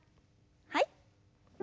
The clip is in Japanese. はい。